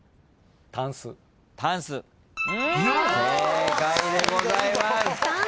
正解でございます。